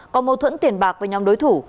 có mâu thuẫn tiền bạc với nhóm đối thủ